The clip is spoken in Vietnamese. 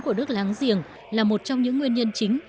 của nước láng giềng là một trong những nguyên nhân chính